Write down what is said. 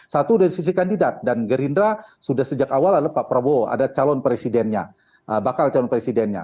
satu dari sisi kandidat dan gerindra sudah sejak awal adalah pak prabowo ada calon presidennya bakal calon presidennya